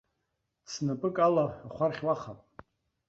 Цнапык ала ахәархь уахап.